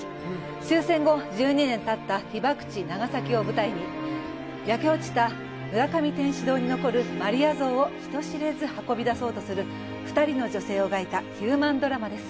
終戦後１２年たった長崎を舞台に焼け落ちた浦上天主堂に残るマリア像を人知れず運び出そうとする２人の女性を描いたヒューマンドラマです。